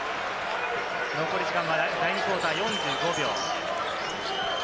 残り時間は第２クオーター、４５秒。